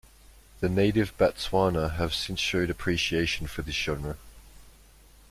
The native Batswana have since showed appreciation for this genre.